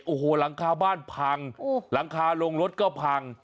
โอ้โหหลังคาบ้านพังหลังคาลงรถก็พัง